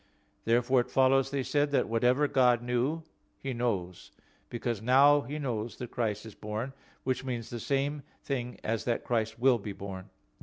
Therefore it follows, they said, that whatever God knew, He knows; because now He knows that Christ is born, which means the same thing as that Christ will be born.